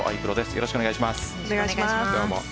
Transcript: よろしくお願いします。